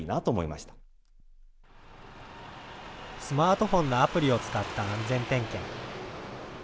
スマートフォンのアプリを使った安全点検。